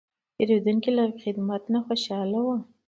پیرودونکی له خدمت نه خوشاله و.